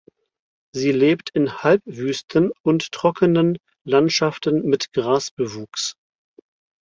Sie lebt in Halbwüsten und trockenen Landschaften mit Grasbewuchs.